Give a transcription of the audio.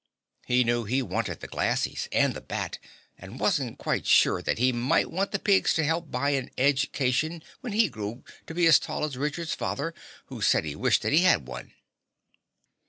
He knew he wanted the "glassies" and the bat and wasn't quite sure but that he might want the pigs to help buy an edge cation when he grew to be as big as Richard's fathers who said he wished that he had one.